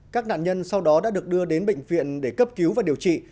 các nạn nhân sau đó đã được đưa đến bệnh viện để cấp cứu và điều trị